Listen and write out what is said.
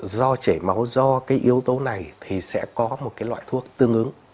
do chảy máu do cái yếu tố này thì sẽ có một cái loại thuốc tương ứng